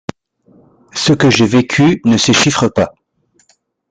Ce que j’ai vécu ne se chiffre pas.